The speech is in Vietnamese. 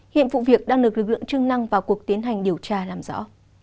hiện vụ việc đang được lực lượng chức năng vào cuộc tiến hành điều tra làm rõ